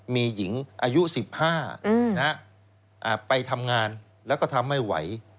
มีหญิงอายุ๑๕ไปทำงานแล้วก็ทำไม่ไหว